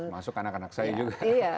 masuk anak anak saya juga